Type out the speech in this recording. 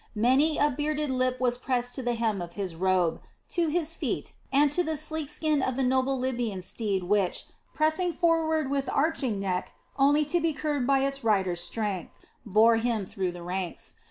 Many a bearded lip was pressed to the hem of his robe, to his feet, and to the sleek skin of the noble Libyan steed which, pressing forward with arching neck only to be curbed by its rider's strength, bore him through the ranks.